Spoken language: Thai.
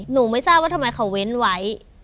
ไม่ทราบว่าทำไมเขาเว้นไว้